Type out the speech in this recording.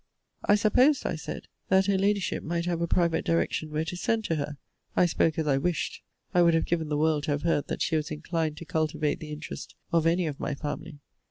I supposed, I said, that her Ladyship might have a private direction where to send to her. I spoke as I wished: I would have given the world to have heard that she was inclined to cultivate the interest of any of my family.